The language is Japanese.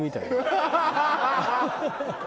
ハハハハ！